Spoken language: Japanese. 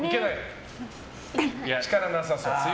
力なさそう。